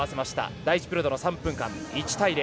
第１ピリオドの３分間１対０。